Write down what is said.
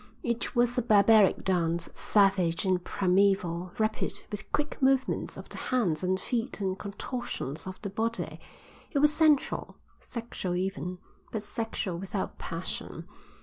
It was a barbaric dance, savage and primeval, rapid, with quick movements of the hands and feet and contortions of the body; it was sensual, sexual even, but sexual without passion.